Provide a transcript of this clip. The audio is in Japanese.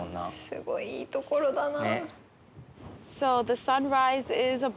すごいいいところだな。